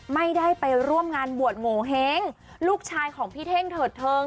ไม่ได้ไปร่วมงานบวชโงเห้งลูกชายของพี่เท่งเถิดเทิง